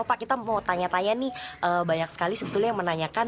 pak kita mau tanya tanya nih banyak sekali sebetulnya yang menanyakan